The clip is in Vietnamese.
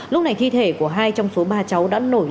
lúc này thi thể của hai trong số ba cháu đã nổi